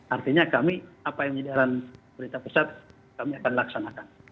artinya kami apa yang diadakan berita pusat kami akan laksanakan